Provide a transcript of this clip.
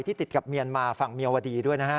ติดกับเมียนมาฝั่งเมียวดีด้วยนะฮะ